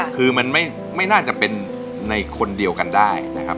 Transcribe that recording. คือมันไม่น่าจะเป็นในคนเดียวกันได้นะครับ